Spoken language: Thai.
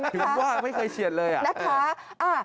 หิวว่าไม่เคยเชียดเลยอ่ะ